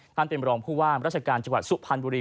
ท่านเป็นรองผู้ว่ามราชการจังหวัดสุพรรณบุรี